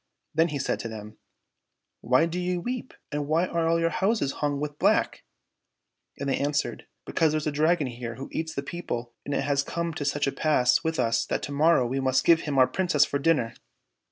And he said to them, " Why do ye weep, and why are all your houses hung with black ?"— And they answered, " Because there's a Dragon here who eats the people, and it has come to such a pass with us that to morrow we must give him our Princess for dinner."